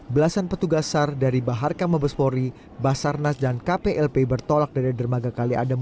belasan petugas sar dari baharkam mabespori basarnas dan kplp bertolak dari dermaga kaliadem